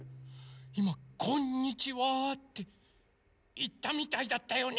いま「こんにちは」っていったみたいだったよね。